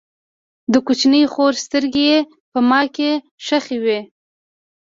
د کوچنۍ خور سترګې یې په ما کې خښې وې